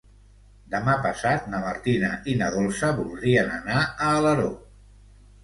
Demà passat na Martina i na Dolça voldrien anar a Alaró.